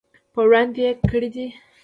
په وړاندې یې کړي دي.